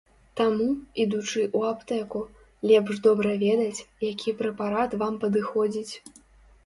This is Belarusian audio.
Таму, ідучы ў аптэку, лепш добра ведаць, які прэпарат вам падыходзіць.